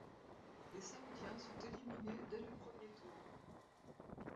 Les saoudiens sont éliminés dès le premier tour.